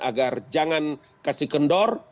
agar jangan kasih kendor